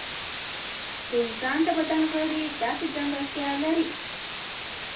د انسان د بدن غړي داسې ځانګړتیا لري.